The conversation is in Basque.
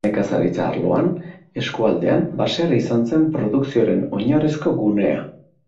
Nekazaritza arloan, eskualdean, baserria izan zen produkzioaren oinarrizko gunea.